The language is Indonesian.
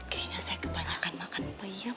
kayaknya saya kebanyakan makan peyem